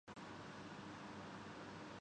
اپنے لیے مشکل ہدف کا انتخاب کرتا ہوں